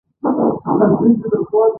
ډېر يادونه يې زما په زړه هم هغسې راوريږي